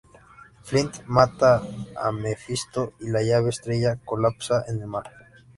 Flint mata a Mefisto y la llave estrella colapsa en el mar.